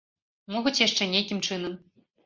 Могуць яшчэ нейкім іншым чынам.